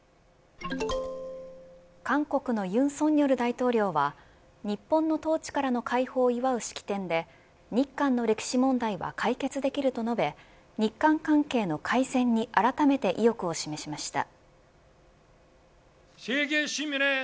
韓国の尹錫悦大統領は日本の統治からの解放を祝う式典で日韓の歴史問題は解決できると述べ日韓関係の改善にあらためて意欲を示しました。